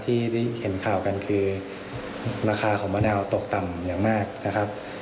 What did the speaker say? ที่ได้เห็นข่าวกันคือราคาของมะนาวตกต่ำอย่างมากนะครับ